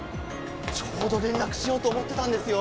ちょうど連絡しようと思ってたんですよ。